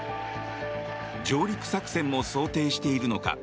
上陸作戦も想定しているのか